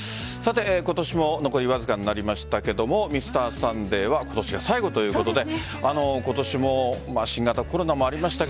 今年も残りわずかになりましたが「Ｍｒ．サンデー」は今年で最後ということで今年も新型コロナもありましたが